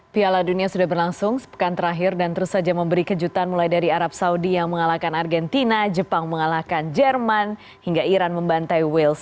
piala dunia sudah berlangsung sepekan terakhir dan terus saja memberi kejutan mulai dari arab saudi yang mengalahkan argentina jepang mengalahkan jerman hingga iran membantai wales